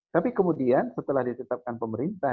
tapi kemudian setelah ditetapkan pemerintah